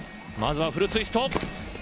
まずはフルツイスト。